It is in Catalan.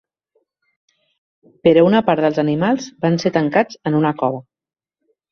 Però una part dels animals van ser tancats en una cova.